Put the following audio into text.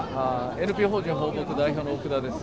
ＮＰＯ法人「抱樸」代表の奥田です。